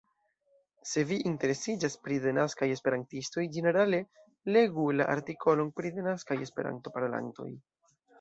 Se vi interesiĝas pri denaskaj Esperantistoj ĝenerale, legu la artikolon pri denaskaj Esperanto-parolantoj.